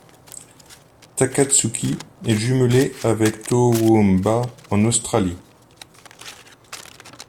Takatsuki est jumelée avec Toowoomba en Australie.